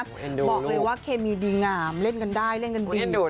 บอกเลยว่าเคมีดีงามเล่นกันได้เล่นกันดี